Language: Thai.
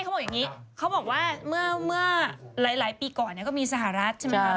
ไม่เขาบอกอย่างนี้เขาบอกว่าเมื่อหลายปีก่อนเนี่ยก็มีสหรัฐใช่มั้ยฮะ